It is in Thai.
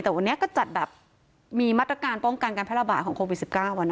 แต่วันนี้ก็จัดแบบมีมาตรการป้องกันการแพร่ระบาดของโควิด๑๙